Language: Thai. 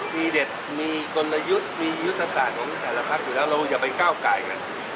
มีเด็ดมีกละยุทธ์มียุทธ์ต่างต่างของแต่ละราพรรคอยู่แล้วเราอย่าไปก้าวไก่เนี้ย